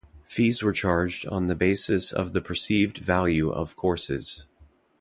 Fees were charged on the basis of the perceived value of courses.